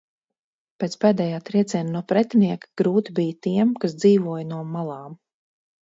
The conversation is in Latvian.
"Pēc pēdējā trieciena no pretinieka, grūti bija tiem, kas dzīvoja no "malām"."